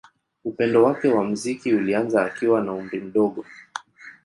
Upendo wake wa muziki ulianza akiwa na umri mdogo.